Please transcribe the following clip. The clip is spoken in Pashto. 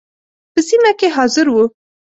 په سیمه کې حاضر وو.